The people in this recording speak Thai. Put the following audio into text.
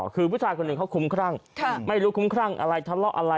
คือผู้ชายคนหนึ่งเขาคุ้มครั่งไม่รู้คุ้มครั่งอะไรทะเลาะอะไร